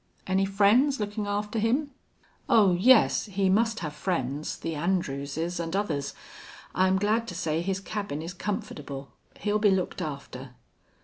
"Any friends lookin' after him?" "Oh yes he must have friends the Andrewses and others. I'm glad to say his cabin is comfortable. He'll be looked after."